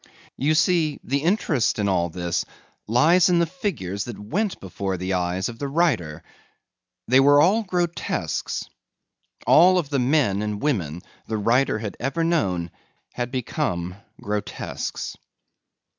You see the interest in all this lies in the figures that went before the eyes of the writer. They were all grotesques. All of the men and women the writer had ever known had become grotesques.